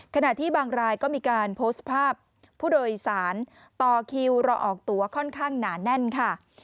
ขณะที่บางรายก็มีการโพสต์ภาพผู้โดยสารต่อคิวรอออกตัวค่อนข้างหนาแน่นค่ะ